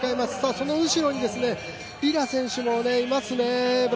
その後ろにブラジルのリラ選手もいますね。